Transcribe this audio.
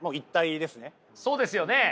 そうですよね。